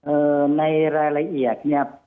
ในรายละเอียดเนี่ย